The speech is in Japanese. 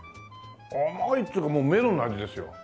甘いっつうかもうメロンの味ですよ。